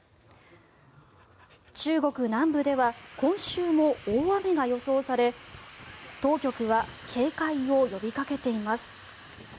中国南部では今週も大雨が予想され当局は警戒を呼びかけています。